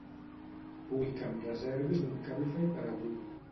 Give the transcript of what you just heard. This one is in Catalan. Vull que em reservis un Cabify per avui.